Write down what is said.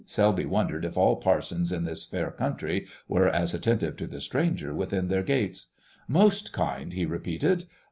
Selby wondered if all parsons in this fair country were as attentive to the stranger within their gates. "Most kind," he repeated.